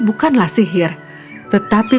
bukanlah sihir tetapi